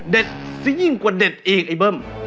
เด่ดซะยิ่งกว่าเด่ดอีกไอี่เบิ่ม